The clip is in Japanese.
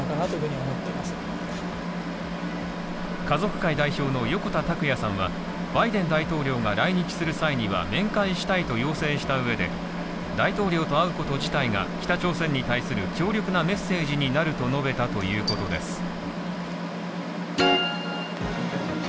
家族会代表の横田拓也さんはバイデン大統領が来日する際には面会したいと要請したうえで大統領と会うこと自体が北朝鮮に対する強力なメッセージになると述べたということです。